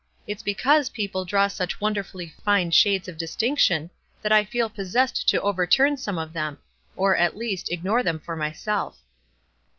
"It's because people draw such won derfully line shades of distinction, that 1 feel possessed to overturn some of them, or, at least, ignore them for myself."